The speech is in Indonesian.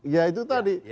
ya itu tadi